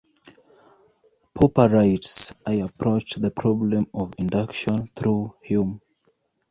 Popper writes, I approached the problem of induction through Hume.